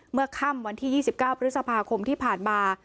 เมื่อค่ำวันที่๒๙พฤษภาคมที่ผ่านมา